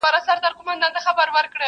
واک د زړه مي عاطفو ته ورکړ ځکه.